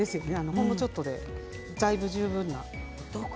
ほんのちょっとでだいぶ十分な。